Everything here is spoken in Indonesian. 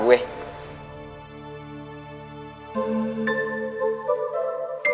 gitar sih kenapa